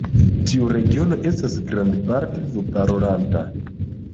Tiu regiono estas grandparte vu-parolanta.